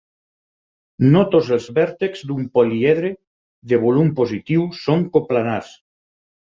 No tots els vèrtexs d'un poliedre de volum positiu són coplanars.